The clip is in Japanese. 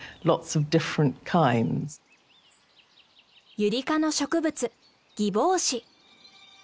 ユリ科の植物ギボウシ。